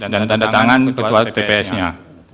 dan tanda tangan ketua tpsnya